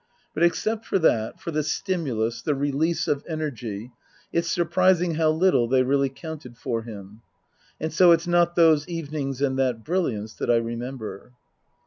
But except for that, for the stimulus, the release of energy, it's surprising how little they really counted for him. And so it's not those evenings and that brilliance that I remember.